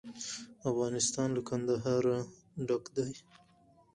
افغانستان له کندهار ډک دی.